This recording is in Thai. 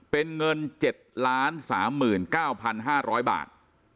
เป็นเงิน๗๓๙๕๐๐บาท